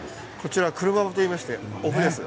車麩といって、お麩です。